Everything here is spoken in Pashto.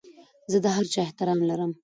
زه د هر چا احترام لرم.